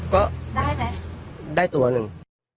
ก็ได้ตัวนึง